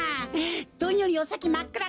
どんよりおさきまっくら